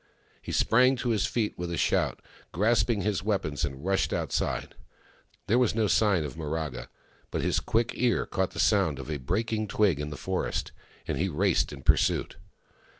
He sprang to his feet with a shout, grasping his weapons, and rushed outside. There was no sign of Miraga — but his quick ear caught the sound of a breaking twig in the forest, and he raced in pursuit.